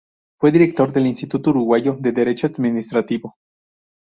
Fue director del Instituto Uruguayo de Derecho Administrativo.